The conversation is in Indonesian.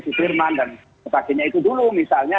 sudirman dan sebagainya itu dulu misalnya